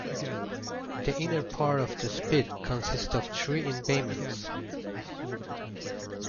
The inner part of the Spit consists of three embayments.